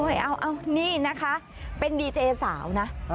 เอานี่นะคะเป็นดีเจสาวนะ